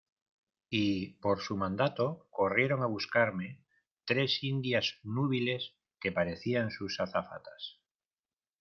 y por su mandato corrieron a buscarme tres indias núbiles que parecían sus azafatas.